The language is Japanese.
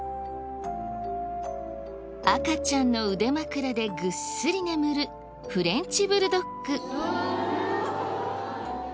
赤ちゃんの腕枕でぐっすり眠るフレンチ・ブルドッグ。